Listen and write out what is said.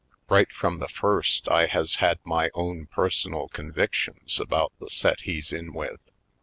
Right from the first I has had my own per sonal convictions about the set he's in with.